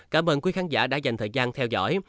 cảm ơn quý khán giả đã dành thời gian theo dõi